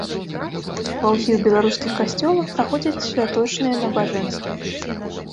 Ва ўсіх беларускіх касцёлах праходзяць святочныя набажэнствы.